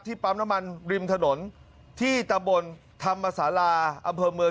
ปั๊มน้ำมันริมถนนที่ตะบนธรรมศาลาอำเภอเมือง